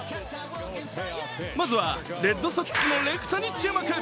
まずはレッドソックスのレフトに注目。